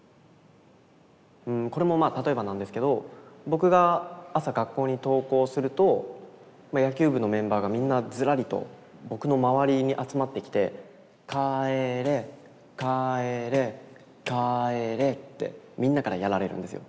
うんこれもまあ例えばなんですけど僕が朝学校に登校するとまあ野球部のメンバーがみんなずらりと僕の周りに集まってきて「帰れ帰れ帰れ」ってみんなからやられるんですよ。